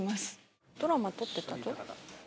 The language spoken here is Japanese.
ドラマ撮ってたぞ。